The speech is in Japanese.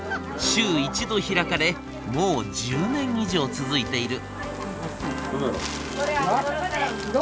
週１度開かれもう１０年以上続いている。